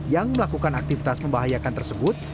yang melakukan aktivitas membahayakan tersebut